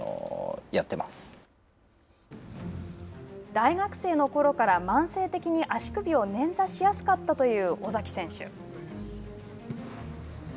大学生のころから慢性的に足首を捻挫しやすかったという尾崎選手。